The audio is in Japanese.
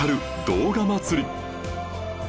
動画祭り』